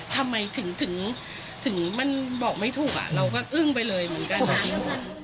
ทำไมถึงมันบอกไม่ถูกเราก็อึ้งไปเลยเหมือนกัน